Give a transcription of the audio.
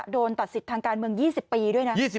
โดนตัดสิทธิ์ทางการเมือง๒๐ปีด้วยนะ